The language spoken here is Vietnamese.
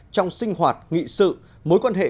trong sinh hoạt nghị sự mối quan hệ